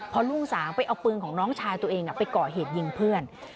พอลูกสาวไปเอาปืนของน้องชายตัวเองไปก่อเหตุยิงเพื่อน